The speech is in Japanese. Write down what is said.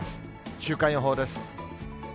週間予報です。